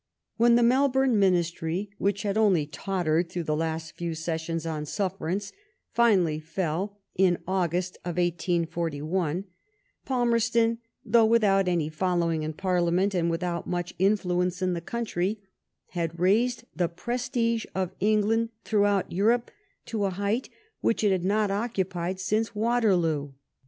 When the Melbourne Ministry, which had only tottered through the last few sessions on sufferance, finally fell in August 1841, Falmerston, though with out any following in Farliament, and without much in fluence in the country, had raised the prestige of England throughout Europe to a height which it had not occu pied since Waterloo.